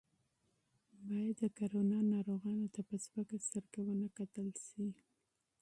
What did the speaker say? باید د کرونا ناروغانو ته په سپکه سترګه ونه کتل شي.